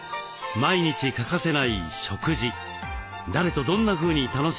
毎日欠かせない食事。